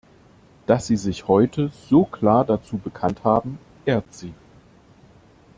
Dass Sie sich heute so klar dazu bekannt haben, ehrt Sie.